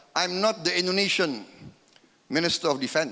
saya bukan pemerintah pertahanan indonesia